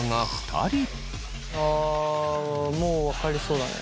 あもう分かりそうだね。